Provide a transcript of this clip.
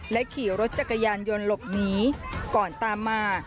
ขี่รถจักรยานยนต์หลบหนีก่อนตามมา